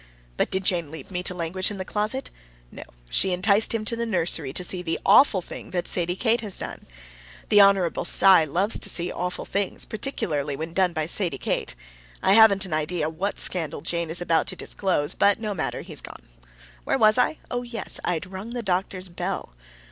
But did Jane leave me to languish in the closet? No; she enticed him to the nursery to see the AWFUL thing that Sadie Kate has done. The Hon. Cy loves to see awful things, particularly when done by Sadie Kate. I haven't an idea what scandal Jane is about to disclose; but no matter, he has gone. Where was I? Oh, yes; I had rung the doctor's bell.